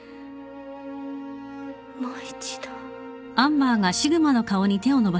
もう一度。